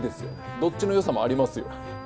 どっちのよさもありますよ。